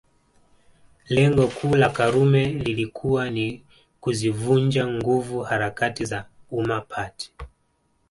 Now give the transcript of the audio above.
Lengo kuu la Karume lilikuwa ni kuzivunja nguvu harakati za Umma Party